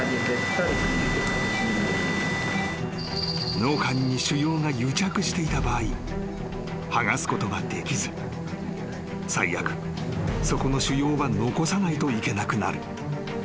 ［脳幹に腫瘍が癒着していた場合剥がすことができず最悪そこの腫瘍は残さないといけなくなる］